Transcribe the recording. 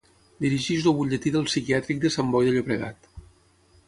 Dirigeix el Butlletí del psiquiàtric de Sant Boi de Llobregat.